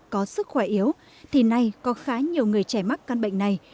có sức khỏe yếu thì nay có khá nhiều người trẻ mắc căn bệnh này